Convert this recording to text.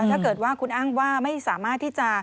ถ้าเกิดว่าคุณอ้างว่าไม่สามารถที่จะ